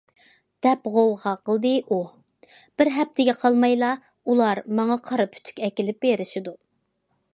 — دەپ غوۋغا قىلدى ئۇ،— بىر ھەپتىگە قالمايلا ئۇلار ماڭا قارا پۈتۈك ئەكېلىپ بېرىشىدۇ.